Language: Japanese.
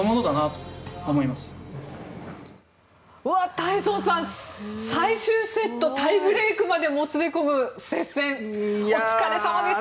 太蔵さん、最終セットタイブレークまでもつれ込む接戦お疲れ様でした。